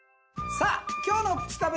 さあ今日の『プチたべ』